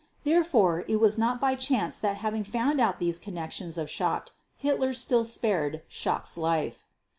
Therefore, it was not by chance that having found out these connections of Schacht, Hitler still spared Schacht's life.